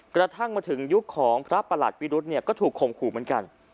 กระทั่งมาถึงยุคของพระประหลัดวิรุธเนี่ยก็ถูกข่มขู่เหมือนกัน